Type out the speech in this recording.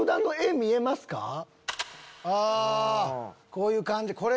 あこういう感じ！